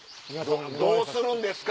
どうするんですか？